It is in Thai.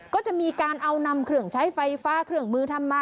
ก็จะมีการเอานำเครื่องใช้ไฟฟ้าเครื่องมือทำมา